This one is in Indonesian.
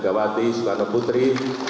gawati sukarno putri